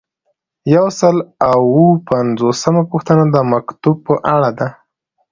یو سل او اووه پنځوسمه پوښتنه د مکتوب په اړه ده.